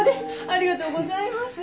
ありがとうございます。